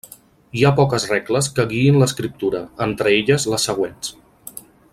Hi ha poques regles que guiïn l'escriptura, entre elles les següents.